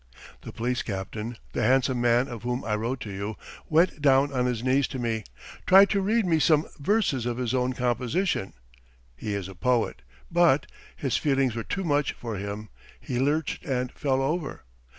The police captain, the handsome man of whom I wrote to you, went down on his knees to me, tried to read me some verses of his own composition (he is a poet), but ... his feelings were too much for him, he lurched and fell over